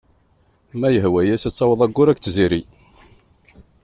Ma yehwa-as ad taweḍ aggur akked tziri.